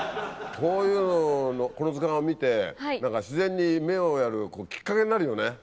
こういうこの図鑑を見て自然に目をやるきっかけになるよね。